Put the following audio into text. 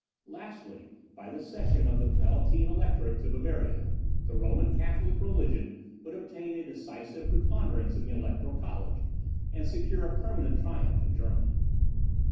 Lastly, by the cession of the Palatine Electorate to Bavaria, the Roman Catholic religion would obtain a decisive preponderance in the Electoral College, and secure a permanent triumph in Germany.